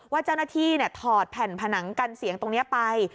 ว่าเจ้าหน้าที่ถอดแผ่นผนังกันเสียงตรงนี้ไป